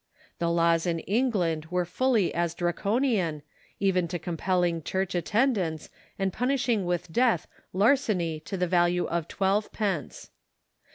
The laws in England were fully as Dra conian, even to compelling church attendance, and punishing with death larceny to the value of twelve pence.